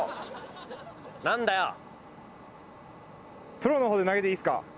プロの方で投げていいですか？